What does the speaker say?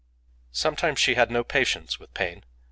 Sometimes she had no patience with pain.